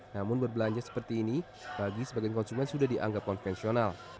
namun berbelanja seperti ini bagi sebagian konsumen sudah dianggap konvensional